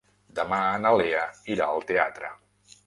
Demà na Lea irà al teatre.